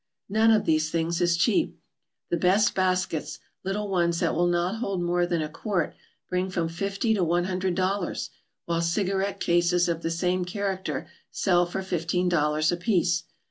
None of these things is cheap. The best baskets, little ones that will not hold more than a quart, bring from fifty to one hundred dollars, while cigarette cases of the same character sell for fifteen dollars apiece.